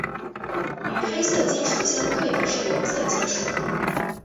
与黑色金属相对的是有色金属。